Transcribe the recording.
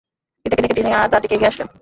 পিতাকে দেখে তিনি তার দিকে এগিয়ে আসলেন।